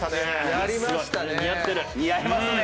やりましたね。